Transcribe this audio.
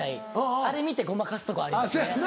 あれ見てごまかすとかありますね。